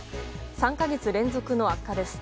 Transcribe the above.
３か月連続の悪化です。